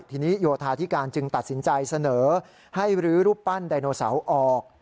ทีนี้โยธาธิการจึงตัดสินใจเสนอให้รื้อรูปปั้นไดโนเสาร์ออก